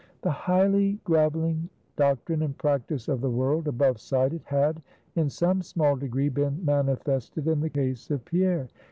The highly graveling doctrine and practice of the world, above cited, had in some small degree been manifested in the case of Pierre.